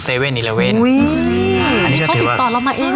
อันนี้เขาติดต่อเรามาเอง